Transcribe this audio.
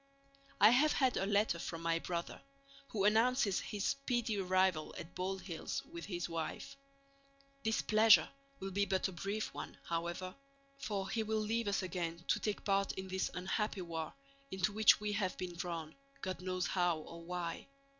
I have had a letter from my brother, who announces his speedy arrival at Bald Hills with his wife. This pleasure will be but a brief one, however, for he will leave us again to take part in this unhappy war into which we have been drawn, God knows how or why.